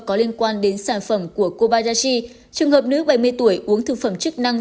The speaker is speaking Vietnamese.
có liên quan đến sản phẩm của kobayashi trường hợp nữ bảy mươi tuổi uống thực phẩm chức năng